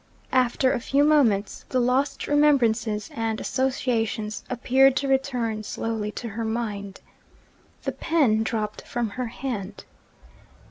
After a few moments, the lost remembrances and associations appeared to return slowly to her mind. The pen dropped from her hand.